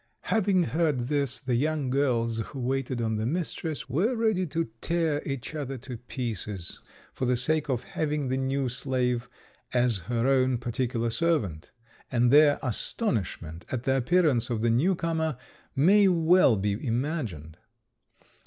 Having heard this, the young girls who waited on the mistress were ready to tear each other to pieces for the sake of having the new slave as her own particular servant; and their astonishment at the appearance of the new comer may well be imagined.